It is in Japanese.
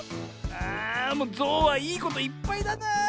あもうゾウはいいこといっぱいだな。